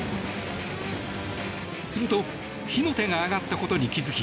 すると火の手が上がったことに気付き